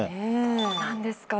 どうなんですかね。